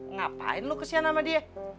ngapain lu kesian sama dia